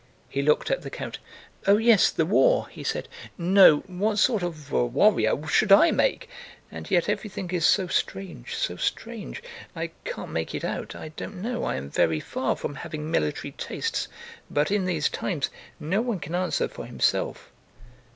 He looked at the count. "Oh yes, the war," he said. "No! What sort of warrior should I make? And yet everything is so strange, so strange! I can't make it out. I don't know, I am very far from having military tastes, but in these times no one can answer for himself."